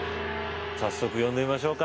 早速呼んでみましょうか。